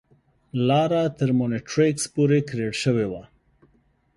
لاره تر مونیټریکس پورې کریړ شوې وه.